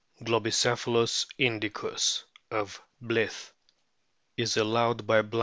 Globicephalus indicus, of Blyth,f is allowed by * Proc.